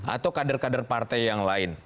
atau kader kader partai yang lain